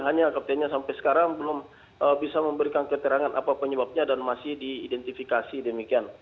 hanya kaptennya sampai sekarang belum bisa memberikan keterangan apa penyebabnya dan masih diidentifikasi demikian